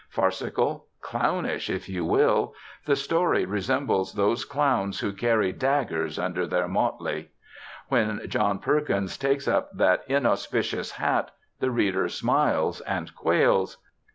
Farcical, clownish, if you will, the story resembles those clowns who carry daggers under their motley. When John Perkins takes up that inauspicious hat, the reader smiles, and quails.